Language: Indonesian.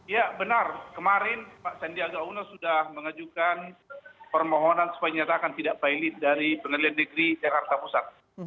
ya benar kemarin pak sandiaga uno sudah mengajukan permohonan supaya dinyatakan tidak pilot dari pengadilan negeri jakarta pusat